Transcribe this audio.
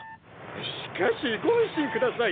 しかしご安心ください。